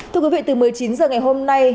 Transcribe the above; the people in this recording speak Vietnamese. thưa quý vị từ một mươi chín h ngày hôm nay